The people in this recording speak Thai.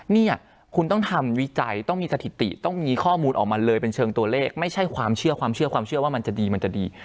เนี่ยคุณต้องทำวิจัยต้องมีสถิติต้องมีข้อมูลออกมาเลยเป็นเชิงตัวเลขไม่ใช่ความเชื่อความเชื่อว่ามันจะดีมันจะดี